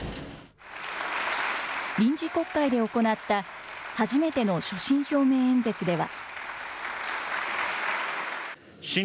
臨時国会で行った初めての所信表明演説では。